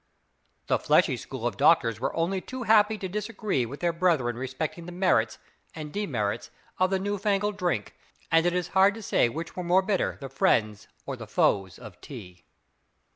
The fleshly school of doctors were only too happy to disagree with their brethren respecting the merits and demerits of the new fangled drink; and it is hard to say which were most bitter, the friends or the foes of tea.